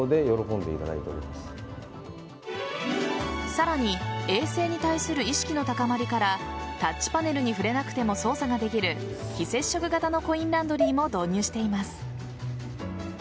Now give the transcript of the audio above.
さらに衛生に対する意識の高まりからタッチパネルに触れなくても操作ができる非接触型のコインランドリーも導入しています。